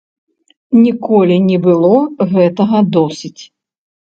Ніколі не было гэтага досыць.